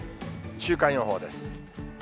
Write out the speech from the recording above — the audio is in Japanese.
週間予報です。